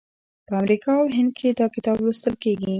په امریکا او هند کې دا کتاب لوستل کیږي.